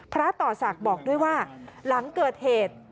พระต่อศักดิ์บอกด้วยว่าหลังเกิดเหตุ